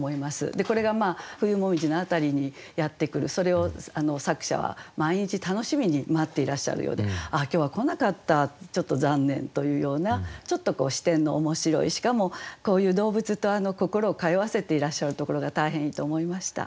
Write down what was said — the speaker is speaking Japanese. でこれが冬紅葉の辺りにやってくるそれを作者は毎日楽しみに待っていらっしゃるようで「ああ今日は来なかったちょっと残念」というようなちょっと視点の面白いしかもこういう動物と心を通わせていらっしゃるところが大変いいと思いました。